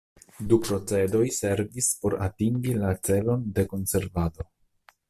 Du procedoj servis por atingi la celon de konservado.